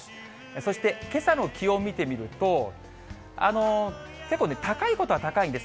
そしてけさの気温を見てみると、結構高いことは高いんです。